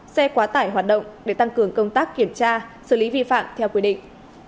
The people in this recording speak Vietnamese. xe quá tải hoạt động để tăng cường công tác kiểm tra xử lý vi phạm theo quy định